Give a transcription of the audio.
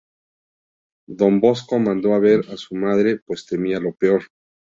Don Bosco mandó a ver a su madre, pues temía lo peor.